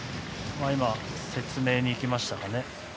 説明に行きましたかね